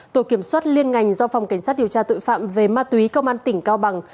tổ kiểm soát liên ngành do phòng cảnh sát điều tra tội phạm về ma túy công an tỉnh cao bằng